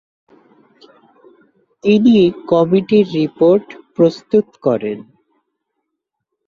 তিনি কমিটির রিপোর্ট প্রস্তুত করেন।